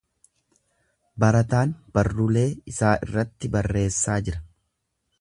Barataan barrulee isaa irratti barreessaa jira.